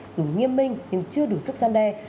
dù nghiêm minh nhưng chưa đủ sức gian đe